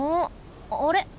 あれ？